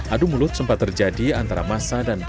adu mulut sempat terjadi antara polisi dan penyelenggaraan di sana